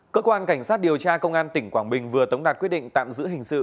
cơ quan cảnh sát điều tra công an tỉnh quảng bình vừa tống đạt quyết định tạm giữ hình sự